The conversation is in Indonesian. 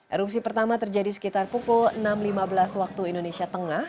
erupsi pertama terjadi sekitar pukul enam lima belas waktu indonesia tengah